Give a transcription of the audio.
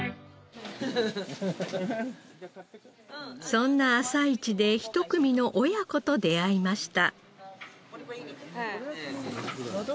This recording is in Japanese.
そんな朝市で一組の親子と出会いました。